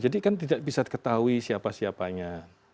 jadi kan tidak bisa ketahui siapa siapanya